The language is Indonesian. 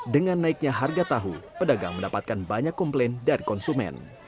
dengan naiknya harga tahu pedagang mendapatkan banyak komplain dari konsumen